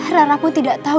rara pun tidak tahu